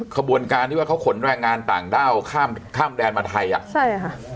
ขบวนการที่ว่าเขาขนแรงงานต่างด้าวข้ามข้ามแดนมาไทยอ่ะใช่ค่ะ